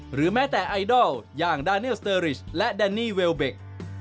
หรือแม้แต่ไอดอลอย่างดาเนียลสเตอร์ริชและแดนนี่เวลเบค